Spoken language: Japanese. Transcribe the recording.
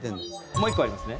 もう１個ありますね。